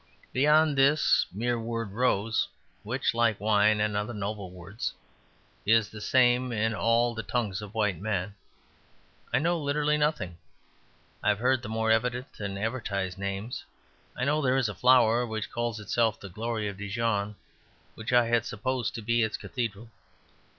Beyond this mere word Rose, which (like wine and other noble words) is the same in all the tongues of white men, I know literally nothing. I have heard the more evident and advertised names. I know there is a flower which calls itself the Glory of Dijon which I had supposed to be its cathedral.